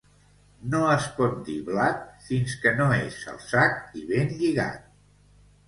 No es pot dir blat fins que no és al sac i ben lligat